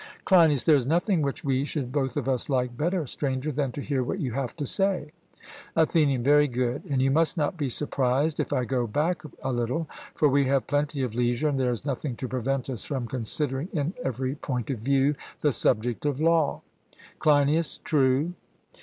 CLEINIAS: There is nothing which we should both of us like better, Stranger, than to hear what you have to say. ATHENIAN: Very good; and you must not be surprised if I go back a little, for we have plenty of leisure, and there is nothing to prevent us from considering in every point of view the subject of law. CLEINIAS: True.